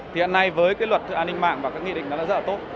thì hiện nay với luật an ninh mạng và các nghị định nó rất là tốt